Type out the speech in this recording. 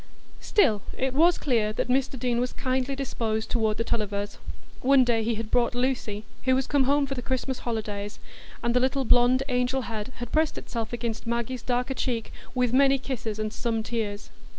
Still, it was clear that Mr Deane was kindly disposed toward the Tullivers. One day he had brought Lucy, who was come home for the Christmas holidays, and the little blond angel head had pressed itself against Maggie's darker cheek with many kisses and some tears.